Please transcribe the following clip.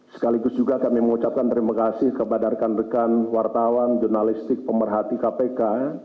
sekaligus juga kami mengucapkan terima kasih kepada rekan rekan wartawan jurnalistik pemerhati kpk